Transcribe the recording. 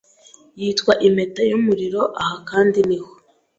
Yitwa Impeta yumuriro aha kandi niho